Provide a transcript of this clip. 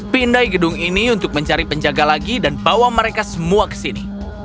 pindai gedung ini untuk mencari penjaga lagi dan bawa mereka semua ke sini